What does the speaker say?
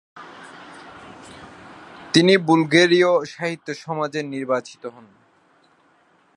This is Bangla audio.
তিনি বুলগেরীয় সাহিত্য সমাজ– এ নির্বাচিত হন।